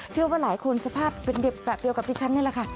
เชื่อว่าหลายคนสภาพเป็นเด็กแบบเดียวกับดิฉันนี่แหละค่ะ